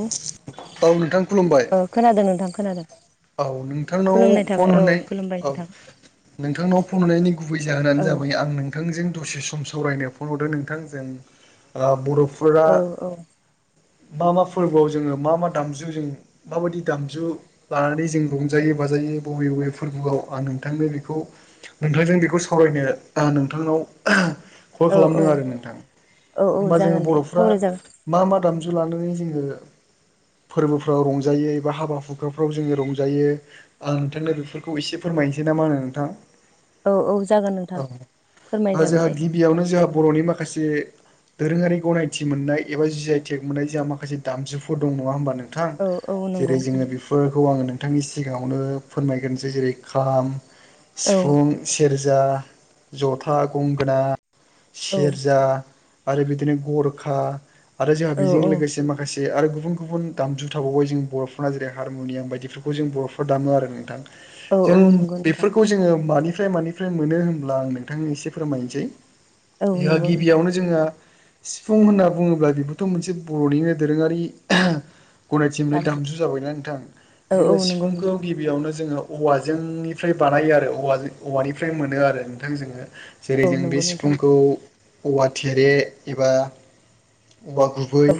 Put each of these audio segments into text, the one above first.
औ औ नोंथां खुलुमबाय ओ खोनादो नोंथां खोनादों। औ नोंथांनाव खुलुमनाय थाबाय फन औ हरनाय खुलुमबाय औ। नोंथां नोंथांनाव फन हरनायनि गुबै जाहोनानो औ जाबाय आं नों थांजों दसे सम सावरायनो फन हरदों। नोंथां जों बर'फ फोरा औ औ मा मा फोरबोआव जोङो मा मा दामजु जों माबादि दामजु लानानै जों रंजायोो बाजायो बबे बबे फोरबोआव आं नोंथांनो बेखौ नोंथांजों बेखौ सावरायनो नोंथांनाव कल औ औ खालामदों आरो नोंथां। औ औ होमबा जों जागोन दे बर'फ्रा सावरायजागोन मा मा दामजु लानानै जोङो फोरबोफ्राव रंजायो एबा हाबा हुखाफ्राव जोङो रंजायो। आं नोंथांनो बेफोरखौ एसे फोरमायनोसै ना मा होनो नोंथां? औ औ जागोन नोंथां औ फोरमाय जोंहा जागोन दे। गिबियावनो जोंहा बर'नि माखासे दोरोङारि गनायथि मोननाय एबा जि आइ टेक मोननाय जोंहा माखासे दामजुफोर दं नङा होमबा नोंथां? औ औ जेरै नंगौ जोङो बि फोरखौ आङो नोंथांनि सिगाङावनो फोरमायग्रोनोसै। जेरै खाम, औ सिफुं सेरजा, जथा, गंगोना, औ सेरजा आरो बिदिनो गरखा आरो जोंहा बेजों औ लोगोसे माखासे आरो गुबुन गुबुन दामजु थाबावबाय जों बर'फना जेरै हारमुनियाम बायदिफोरखौ जों बर'फ्रा दामो आरो नोंथां। औ जों औ नंगौ नोंथां बेफोरखौ जोङो मानिफ्राय मानि फ्राय मोनो होनब्ला आं नोंथांनि एसे फोरमायनोसै। औ नंगौ नोंथां गिबियावनो जोंहा सिफुं होनना बुङोब्ला बेबोथ' मोनसे बर'निनो दोरोङारि गनायथिनाय दामजु जाबायना नोंथां। औ औ जोङो नंगौ सिफुंखौ नोंथां गिबियावनो जोङो औवाजोंनिफ्राय बानायो आरो औवाजों औवानिफ्राय मोनो आरो नोंथां जोंङो। जेरै औ जों बे नंगौ नोंथां सिफुंखौ औवा थेरे एबा औवा गुब बै औ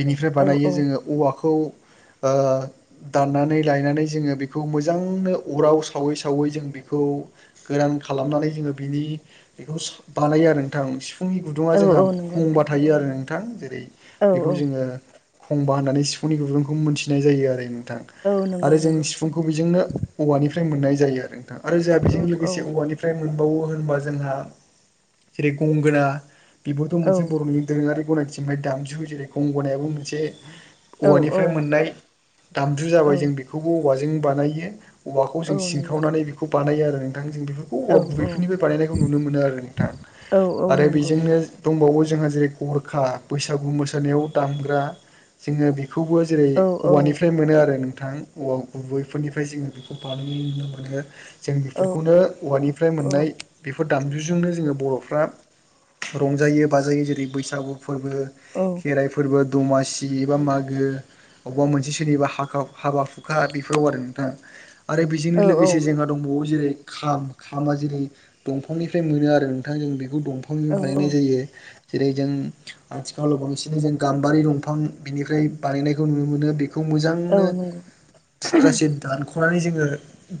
बिनिफ्राय औ बानायो औ जोङो औवाखौ ओ दाननानै लायनानै जोङो बेखौ मोजांनो अराव सावै सावै जों बेखौ गोरान खालामनानै जोङो बिनि बेखौ बानायो आरो नोंथां। सिफुंनि गुदुङा औ औ जोंहा नंगौ खंबा नोंथां थायो आरो नोंथां जेरै औ औ बेखौ जोङो खंबा होननानै सिफुंनि गुदुंखौ मोनथिनाय जायो आरो नोंथां औ नंगौ आरो जों नंगौ सि फुंखौ बेजोंनो औवानिफ्राय मोननाय जायो आरो नोंथां आरो जोंहा औ बेजों औ लोगोसे औवानि फ्राय मोनबावो होनबा जोंहा जेरै गंगोना बेबोथ' औ मोनसे बर'नि दोरोङारि गनायथिनिफ्राय दामजु जेरै गंगनायाबो मोनसे औ औवानिफ्राय मोननाय दामजु औ जाबाय जों बेखौबो औवाजों बानायो। औवाखौ जों औ नंगौ सिनखावनानै बेखौ बानायो आरो नोंथां जों बेखौ औवा औ गुबै फोरनिफ्राय औ बानायनायखौ नुनो मोनो आरो नोंथां औ आरो नंगौ बेजोंनो दंबावो जोंहा जेरै गरखा बैसागु मोसानायाव दामग्रा जोङो बेखौबो जेरै औ औ औवानिफ्राय मोनो आरो नोंथां। औवा गुबैफोरनिफ्राय जोङो बेखौ बानायनायन नुनो मोनो। जों बेफोरखौनो औवानिफ्राय औ औ मोननाय बेफोर दामजुजोंनो जोङो बर'फ्रा रंजायो बाजायो जेरै बैसागु फोरबो औ। खेराइ फोरबो दमासि एबा मागो अबेबा मोनसे सोरनिबा हाख हाबा हुखा बेफोराव आरो नोंथां आरो बेजोंनो औ लोगोसे जोंङो दंबाव जेरै खाम खामा जेरै दंफांनिफ्राय मोनो आरो नोंथां जों बेखौ दंफां औ बानायनाय जायो जेरै जों आथिखालाव बांसिनै जों गाम्बारि दंफां बिनिफ्राय बानायनायखौ नुनो मोनो बे बेखौ औ मोजांनो नंगौ थुख्रासेेर दानख'नानै जोङो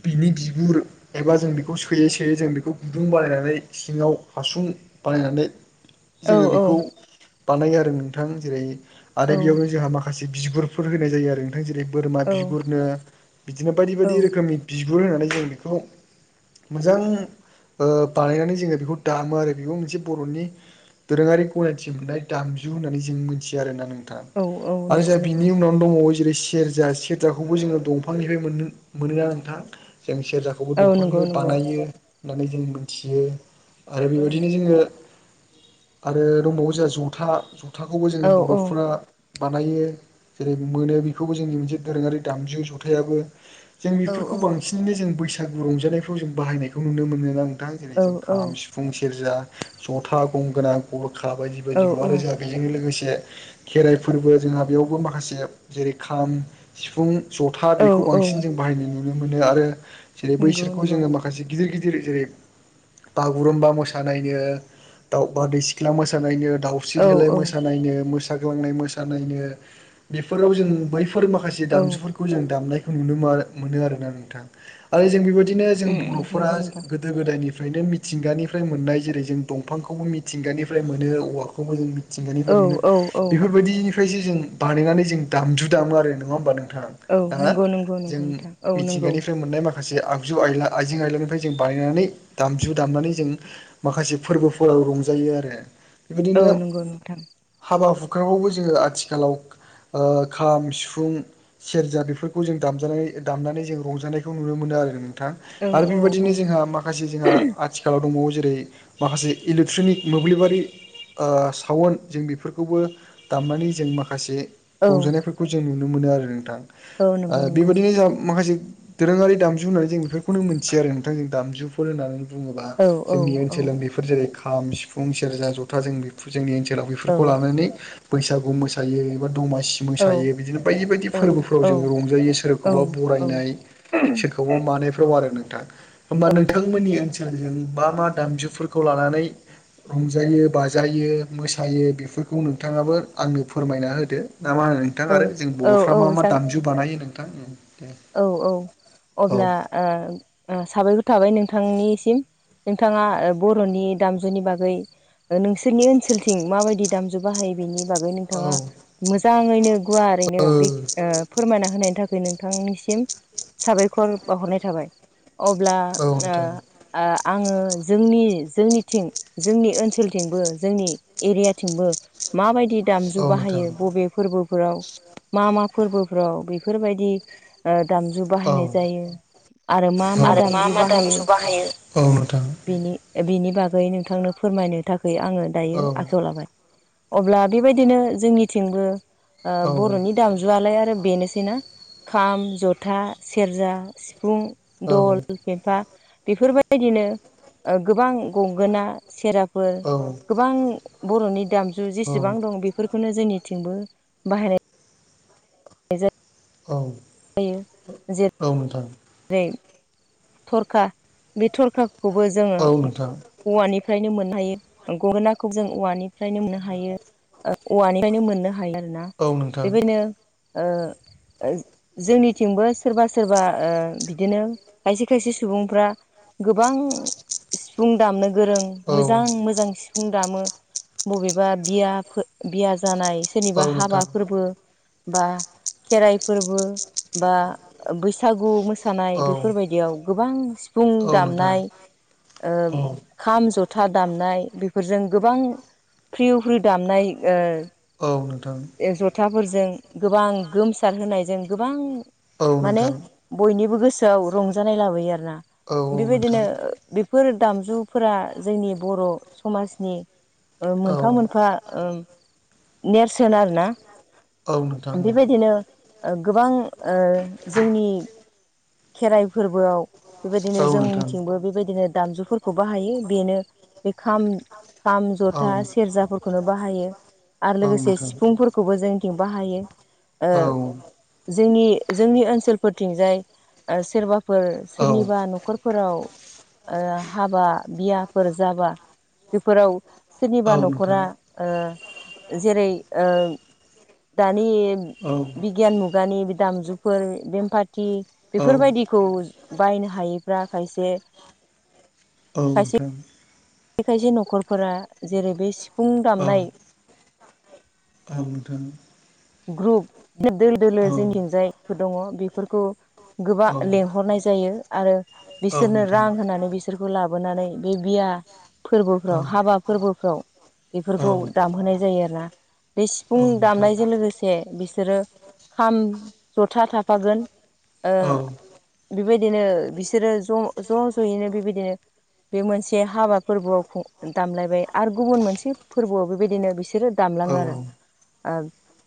बिनि बिगुर एबा जों बेखौ सोयै सोयै जों बेखौ गुदुं बानायनानै सिङाव हासुं बानाय नानै औ जोङो बेखौ बानायो आरो नोंथां जेरै औ आरो बेयावनो जोंहा माखासे माखासे बिगुरफोर होनाय जायो आरो नोंथां जेरै बोरमा बिगुरनो बिदिनो बायदि औ बायदि रोखोमनि बिगुर होनानै जों बेखौ मोजां ओ बानायनानै जोङो बेखौ दामो आरो बेबो मोनसे बर'नि दोरोङारि गनायथि मोननाय दामजु होननानै जों मिथियो आरोना नोंथां। औ औ आरो नंगौ जाय नंगौ बिनि उनाव दंबावो जेरै सेरजा सेरजाखौबो जोङो दंफांनिफ्राय मोनो मोनोना नोंथां जों सेरजाखौ बेखौबो औ नंगौ दंफांनि नंगौ बानायो होननानै जों मोनथियो। आरो औ बेबायदिनो जोङो आरो दंबावो जोंहा जथा खथाखौबो औ जोंङो औ बर'फ्रा बानायो जेरै मोनो बेखौबो जोंनि मोनसे दोरोङारि दामजु जथायाबो जों औ बेफोरखौ बांसिनैनो जों बैसागु रंजानायफ्राव जों बाहायनायखौ नुनो मोनो ना नोंथां जेरै जों औ खाम सिफुं फुं सेरजा जथा गंगोना गरखा बायदि औ बायदिखौ आरो जों बेजोंनो लोगोसे खेराइ फोरबो जोंहा बेयावबो माखासे जेरै खाम सिफुं जथा औ बेखौ औ बांसिन जों बाहायनाय नुनो मोनो आरो जेरै नंगौ बैसोरखौ नंगौ जोङो माखासे गिदिर गिदिर जेरै बागुरुम्बा मोसानायनो दाउ बारदै सिख्ला मोसानायनो दाउ औ सिरिलाय औ मोसानायनो मोसाग्लांनाय मोसानायनो बेफोराव जों बैफोर माखासे औ दामजुफोरखौ जों दामनायखौ मोन मोनो आरोना नोंथां आरो जों बेबायदिनो जों उम उम बर'फोरा नंगौ जों नोंथां गोद गोदो गोदायनिफ्रायनो मिथिंगानिफ्राय मोननाय जेरै जों दंफांखौबो मिथिंगानिफ्राय मोनो औवा खौ जों औ मिथिंगानिफाय मोनो औ औ बेफोरबायदि फ्रायसो जों बानायनानै जों दामजु दामो आरो नङा होमबा नोंथां? औ आ नंगौ नंगौ जों नंगौ नोंथां औ नंगौ मिथिंगानिफ्राय मोननाय माखा माखासे आगजु आइला आइजें आयलानिफ्राय जों बानायनानै दामजु दामनानै जों माखासे फोरबोफोराव रंजायो आरो। औ बिबदिनो नंगौ नोंथां हाबा हुखाखौबो जोङो आथिखालाव। खाम सिफुं सेरजा बेफोरखौ जों दामजानाय दामनानै जों रंजानायखौ नुनो मोनो आरो नोंथां। औ आरो औ औ बेबायदिनो जोंहा माखासे जोंहा आथिखालाव दंबावो जेरै माखासे इलेक्ट्रनिक मोब्लिबारि ओ सावन जों बेफोरखौबो दामनानै जों माखासे औ रंजानायफोरखौ खौ जों नुनो मोनो आरो नोंथां। औ नंगौ ओ नंगौ बेबायाददिनो जा माखासे दोरोङारि दामजु होननानै जों बेफोरखौनो मोनथियो आरो नोंथां ज दामजुफोर होननानै बुङोब्ला औ औ जोंनि औ ओनसोलाव बे बेफोर जेरै खाम सिफुं सेरजा जथा जों बे जोंनि ओनसोलाव औ बेफोरखौ लानानै बैसागु मोसायो एबा दमासि औ मोसायो बिदिनो बायदि बायदि फोरबोफ्राव जोङो रंजायो सोरखौबा औ बरायनाय मानायाव आरो नोंथां हबा नोंथांमोननि ओन मा मा दामजुफोरखौ लानानै रंजायो बाजायो मोसायो बेफोरखौ नोंथाङाबो आंनो फोरमायना होदो ना मा होनो नोंथां आरो जों औ बर'फ्रा औ मा मा जागोन दामजु बानायो नोंथां? दे औ औ औ अब्ला ओ ओ साबायखर थाबाय नोंथांनिसिम। नोंथाङा बर'नि दामजुनि बागै नोंसोरनि ओनसोलथिं माबायदि दामजु बाहायो बेनि बागै औ नोंथाङा मोजाङैनो गुवारैनो ओ बे फोरमायना होनायनि थाखाय नोंथांनि सिम साबायखर बावहरनाय थाबाय अब्ला औ ओं नोंथां आङो जोंनि जोंनिथिं जोंनि ओनसोलथिंबो जोंनि एरियाथिंबो माबायदि औ दामजु नोंथां बाहायो बबे फोरबोफोराव मा मा फोरबोफ्राव बेफोरबायदि दामजु औ बाहायनाय जायो आरो मा औ मा नोंथां औ दामजु औ बाहायो बेनि बिनि बागै नोंथांनो फोरमायनो थाखाय आङो दायो आखायाव लाबाय। अब्ला बेबायदिनो जोंनिथिंबो बर'नि दामजुआलाय आरो बेनोसैनाा खाम जथा सेरजा सिफुं दल फेफा बेफोरबायदिनो गोबां गंगोना सेरजा गोबां बर'नि दामजु औ जेसेबां दं बे बेफोरखौनो जोंनिथिंबो बाह जा औ। जायो। औ नोंथां। जेरै थरखा बे थरखाखौबो जोङो औ नोंथां औवानिफ्रायनो मोननो हायो गगोनाखौ जों औवानिफ्रायनो मोननो हायो। औवानिफ्रायनो मोननो हायो आरो ना औ नोंथां बेबायदिनो जोंनिथिंबो सोरबा सोरबा बिदिनो खायसे खायसे सुबुंफ्रा गोबां सिफुं दामनो गोरों औ मोजां मोजां सिु सिफुं दामो बबेबा बिया बिया जानाय औ सोरनिबा हाबा नोंथां फोरबो बा खेराइ फोरबो बा बैसागु औ नोंथां औ मोसानाय बेफोरबायदियाव गोबां सि सिफुं औ नोंथां दामनाय ओं खाम जथा दामनाय बेफोरजों गोबां फ्रिउ फ्रिउ दामनाय औ नोंथां। जथाफोरजों गोबां गोमसारहोनायजों गोबां माने बयनिबो गोसोआव रंजानाय लाबोयो आरोना औ बेबायदिनो नोंथां बेफोर दामजुफोरा जोंनि बर' समाजनि ओ औ मोनफा मोनफा ओम नेरसोन आरो ना। औ नोंथां औ। ओ गोबां ओ जोंनि खेराइ फोरबोआव बेबायदिनो औ नोंथां जोंथिंबो बेबायदिनो दामजुफोर खौ बाहायो बेनो बे खाम खाम औ जथा सेरजाफोरखौनो बाहायो। आरो औ लोगोसे नोंथां सिफुंफोरखौबो जोंथिं बाहायो। ओ औ। जोंनि जोंनि ओनसोलफोरथिंजाय ओ सोरबा फोर औ सोरनिबा न'खरफोराव ओ हाबा बियाफोर जाबा बेफोराव औ सोरनिबा नोंथां न'खरा ओ जेरै ओ दानि औ बिगियान मुगानि बे दामजुफोर बेमफाथि औ बेफोरबायदि खौ बायनो हायैफ्रा खायसे औ खायसे नोंथां। खायसे न'खरफोरा जेरै बे सिफुं औ दामनाय औ नोंथां। ग्रुप [unintelligible] दोल दोलो औ जोंथिंजायफोर दङ' बेफोरखौ गोबा औ लेंहरनाय जायो आरो औ नोंथां औ नोंथां औ नोंथां औ नोंथां औ नोंथां औ नोंथां औ नोंथां औ नोंथां बिसोरनो रां औ होनानै बिस् सोरखौ लाबोनानै बे बिया फोरबोफ्राव औ हाबा फोरबोफ्राव औ नोंथां बेफोरखौ दामहोनाय जायो आरो ना। बे सिफुं दामनायजों लोगो से बिसोरो खाम जथा थाफागोन ओ बिबायदिनो बिसोरो ज' ज' ज'यैनो बिबायदिनो बे मोनसे हाबा फोरबोआव खु दामलायबाय आरो गुबुन मोनसे फोरबोआव बेबायदिनो बिसोरो दामलाङो आरो। ओ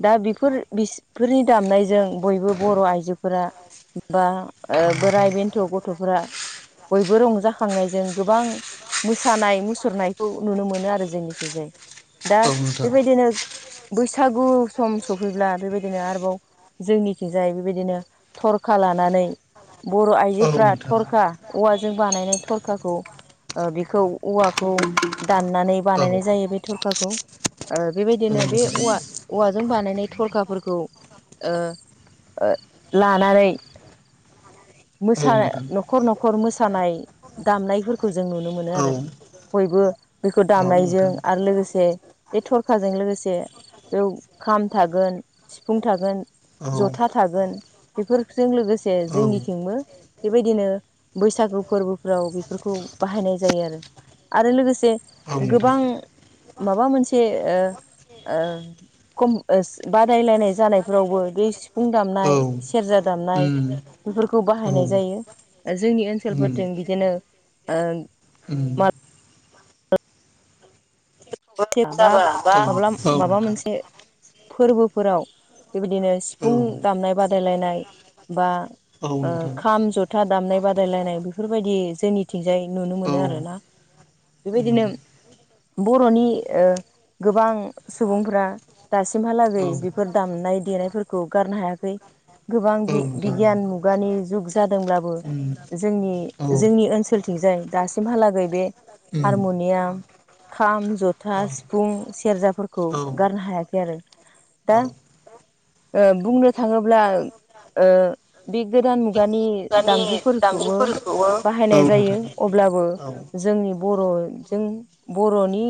दा बिफोर बिस फोरनि दामनायजों बयबो बर' आइजोफोरा बा ओ बोराइ बेन्थ' गथ'फोरा बयबो रंजाखांनायजों गोबां मोसानाय मुसुरनायखौ नुनो मोनो आरो जोंनिखिजाय। दा बेबायदिनो बैसागु सम सौफैब्ला बेबायदिनो आरोबाव जोंनिथिंजाय बेबायदिनो थरखा लानानै बर' आइजोफ्रा थरखा औवाजों बानायनाय थरखाखौ ओ बेखौ औवाखौ दाननानै बानायनाय जायो बे थरखाखौ ओ बेबायदिनो बे औवा औवाजों बानायनाय थरखाफोरखौ ओ ओ लानानै मोसा न'खर न'खर मोसानाय दामनायफोर खौ जों नुनो मोनो आरो। बयबो बेखौ दामनायजों आरो लोगोसे ए थरखाजों लोगोसे एव खाम थागोन सिफुं थागोन जथा थागोन बेफोरजों लोगोसे जोंनिथिंबो बेबायदिनो बैसागु फोरबोफ्राव बेफोरखौ बाहायनाय जायो आरो। आरो लोगोसे गोबां माबा मोनसे ओ ओ खम ओस बादायलायनाय जानायफ्रावबो बे सिफुं दामनाय सेरजा दामनाय बेफोरखौ औ उम बाहायनाय औ जायो ओ जोंनि ओनसोलफोरथिं बिदिनो ओ उम। माबा बा माब्ला माबा मोनसे फोरबोफोराव बेबायदिनो सिफुं दामनाय बादायलायनाय बा औ ओ नोंथां खाम जथा दामनाय बादायलायनाय बिफोरबायदि जोंनिथिंजाय नुनो औ नोंथां औ मोनो आरो ना। उम बेबायदिनो बर'नि ओ गोबां सुबुंफ्रा दासिमहालागै औ बेफोर दामनाय देनायफोरखौ गारनो हायाखै गोबां औ नोंथां बि-बिगियान मुगानि जुग जादोंब्लाबो उम जोंनि औ जोंनि ओनसोलथिंजाय दासिमहालागै बे हारमुनियाम खाम जथ था सिफुं सेरजाफोरखौ उम औ गारनो हायाखै आरो औ दा ओ बुंनो थाङोब्ला ओ बे गोदान मुगानि दानि दामजुफोरखौबो दामजुफोरखौबो औ बाहायनाय जायो नोंथां अब्लाबो औ जोंनि बर'जों बर'नि,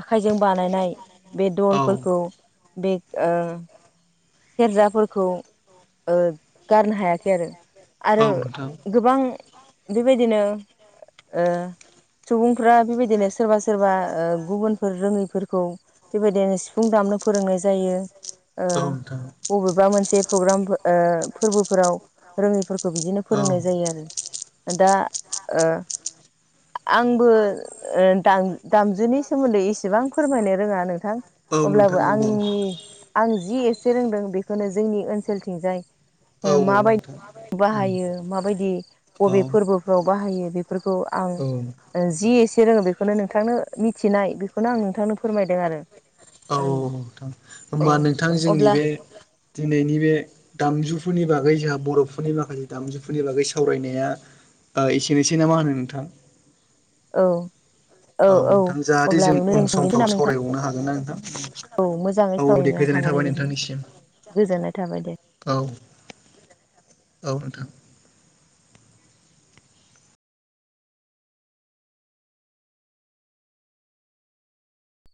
आखाइजों बानायनाय बे औ दलफोरखौ बे ओ सेरजाफोरखौ ओ गारनो हायाखै आरो आरो नोंथां गोबां बेबायदिनो ओ सुबुंफ्रा बेबायदिनो सोरबा सोरबा ओ गुबुनफोर रोङैफोरखौ। बेबायदिनो सिफुं दामनो फोरोंनाय जायो ओ औ नोंथां अबेबा मोनसे प्रग्राम ओ फोरबोफोराव रोङैफोरखौ बिदिनो औ फोरोंनाय जायो आरो दा ओ आंबो ओ दाम दामजुनि सोमोन्दै एसेबां फोरमायनो रोङा नोंथां। औ अब्लाबो नोंथां औ आंनि आं जि एसे रोंदों बेखौनो जोंनि ओनसोलथिंजाय। औ ओ औ माबायदि नोंथां। उम बाहायो माबायदि बबे फोरबोफ्राव बाहायो बेफोरखौ आं औ औ जि एसे रोङो बेखौनो नोंथांनो मिथिनाय बेखौनो आं नोंथांनो फोरमायदों आरो औ अ नोंथां होमबा नोंथां जोंनि अब्ला बे दिनैनि बे दामजुफोरनि बागै जोंहा बर'फोरनि माखासे दामजुफोरनि बागै सावरायनाया ओ एसेनोसै नामा होनो नोंथां। औ औ औ नोंथां जाहाथे अब्ला जों उन बेयावनो थुंगेनिसै समफ्राव नामा नोंथां सावरायबावनो हागोन ना नोंथां औ मोज मोजाङै औ दे सावैनो गोजोननाय हाबावाय थाबाय बायदि नोंथांनिसिम गोजोननाय थाबाय दे औ औ नोंथां